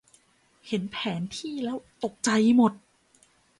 เห็นแผนที่แล้วตกใจหมด